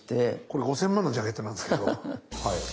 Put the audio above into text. これ５，０００万のジャケットなんですけど。